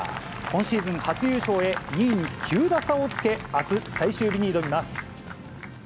今シーズン初優勝へ、２位に９打差をつけ、あす、最終日に挑みます。